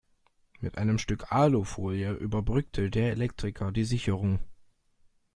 Mit einem Stück Alufolie überbrückte der Elektriker die Sicherung.